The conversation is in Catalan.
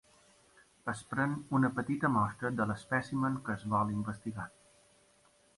Es pren una petita mostra de l'espècimen que es vol investigar.